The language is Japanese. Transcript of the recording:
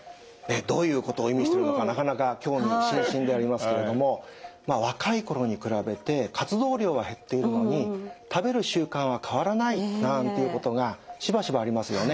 どういうことを意味してるのかなかなか興味津々でありますけれども若い頃に比べて活動量は減っているのに食べる習慣は変わらないなんていうことがしばしばありますよね。